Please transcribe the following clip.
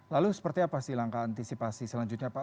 lalu seperti apa sih langkah antisipasi selanjutnya pak